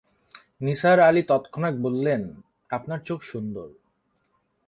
নিসার আলি তৎক্ষণাৎ বললেন, আপনার চোখ সুন্দর।